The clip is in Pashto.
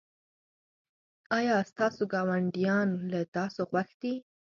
ایا ستاسو ګاونډیان له تاسو خوښ دي؟